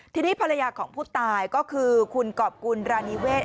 ทีนี้ภรรยาของผู้ตายก็คือคุณกรอบกุลรานิเวศ